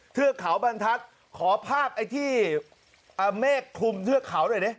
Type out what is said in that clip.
เทือกเขาบางทักขอภาพไอ้ที่เมฆคุมเทือกเขาด้วยเนี่ย